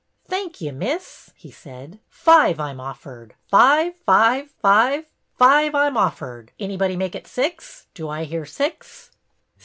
'' Thank ye, miss," he said. Five I 'm offered, flve — five — five — five I 'm offered ! Anybody make it six? Do I hear six?